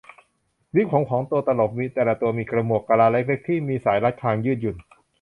วิกผมของตัวตลกแต่ละตัวมีหมวกกะลาเล็ก ๆ ที่มีสายรัดคางยืดหยุ่น